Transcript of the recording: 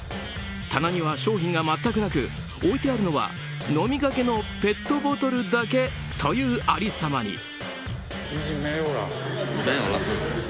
棚には商品が全くなく置いてあるのは飲みかけのペットボトルだけというありさまに。